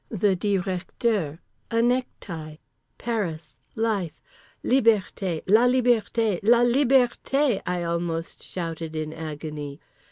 The Directeur. A necktie. Paris. Life. Liberté. La liberté. "La Liberté!" I almost shouted in agony.